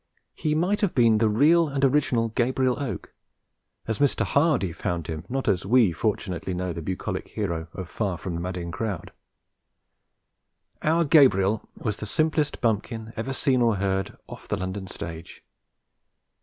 He might have been the real and original Gabriel Oak as Mr. Hardy found him, not as we fortunately know the bucolic hero of Far from the Madding Crowd. Our Gabriel was the simplest bumpkin ever seen or heard off the London stage.